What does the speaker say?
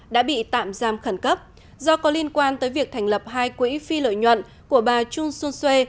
đã bị tạm giam khẩn cấp do có liên quan tới việc thành lập hai quỹ phi lợi nhuận của bà chun sung sware